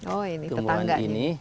oh ini ketangga ini